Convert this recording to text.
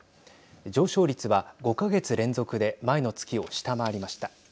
上昇率は５か月連続で前の月を下回りました。